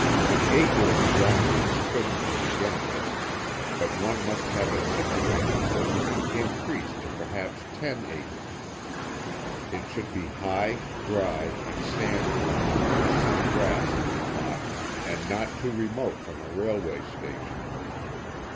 An acre of ground is sufficient to begin with, but one must have it situated so one could increase to perhaps ten acres. It should be high, dry and sandy, with some grass in the plot, and not too remote from a railway station.